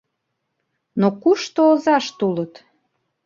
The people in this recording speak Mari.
Но кушто озашт улыт?